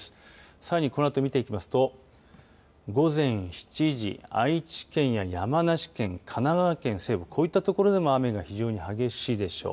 さらに、このあと見ていきますと午前７時、愛知県や山梨県神奈川県西部、こういった所でも雨が非常に激しいでしょう。